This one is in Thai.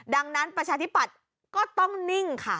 ดังนั้นประชาธิปัตย์ก็ต้องนิ่งค่ะ